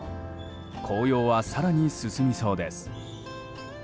紅葉は更に進みそうです。